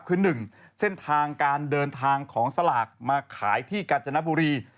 คือ๑เส้นทางการเดินทางของสลากมาขายที่กาญจนบุรี